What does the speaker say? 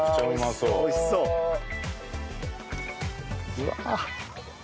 うわ！